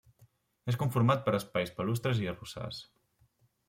És conformat per espais palustres i arrossars.